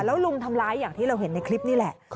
แล้วลุมทำร้ายอย่างที่เราเห็นในคลิปนี่แหละ